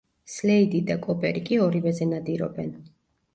სლეიდი და კოპერი კი ორივეზე ნადირობენ.